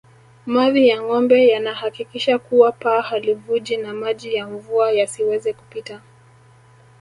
Mavi ya ngombe yanahakikisha kuwa paa halivuji na maji ya mvua yasiweze kupita